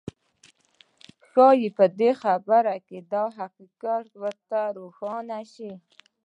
ښايي په دې خبره کې دا حقيقت درته روښانه شي.